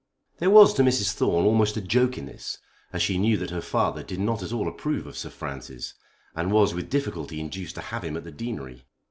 There was to Mrs. Thorne almost a joke in this, as she knew that her father did not at all approve of Sir Francis, and was with difficulty induced to have him at the Deanery.